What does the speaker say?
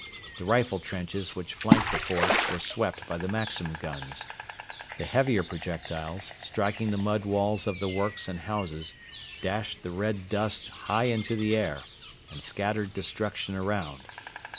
The rifle trenches which flanked the forts were swept by the Maxim guns. The heavier projectiles, striking the mud walls of the works and houses, dashed the red dust high into the air and scattered destruction around.